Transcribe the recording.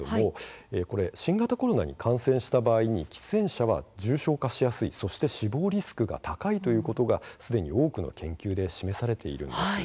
新型コロナに感染した場合は喫煙者は重症化しやすいとして死亡率が高いということがすでに多くの研究で示されているんです。